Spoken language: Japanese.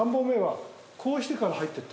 こうしてから入ってった。